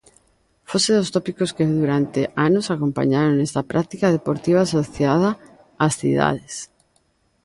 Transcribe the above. Foxe dos tópicos que durante anos acompañaron esta práctica deportiva asociada ás cidades.